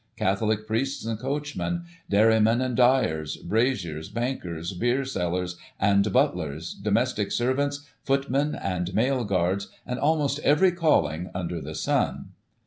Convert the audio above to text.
Catholic priests and coachmen, dairy men and dyers, braziers, bankers, beer sellers and butlers, domestic servants, footmen and mail guards, and almost every calling under the sun.